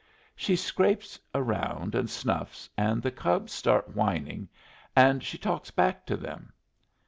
She scrapes around and snuffs, and the cubs start whining, and she talks back to 'em.